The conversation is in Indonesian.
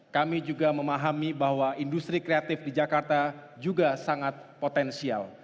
kami juga memahami bahwa industri kreatif di jakarta juga sangat potensial